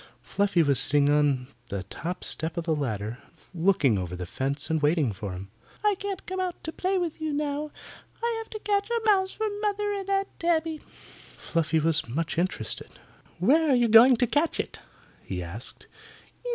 Fluffy was sitting on the top step of the ladder, looking over the fence and waiting for him. "I can't come out to play with you now. I have to catch a mouse for Mother and Aunt Tabby." Fluffy was much interested. "Where are you going to catch it?" he asked.